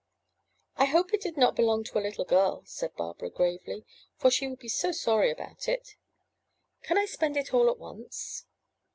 '1 hope it did not belong to a little girl,'' said Barbara gravely, ''for she will be so sorry about it. Can I spend it all at once?"